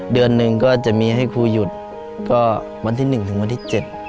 เดือนหนึ่งก็จะมีให้ครูหยุดก็วันที่หนึ่งถึงวันที่เจ็ด